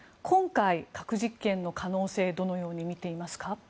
今回、核実験の可能性をどのように見ていますか？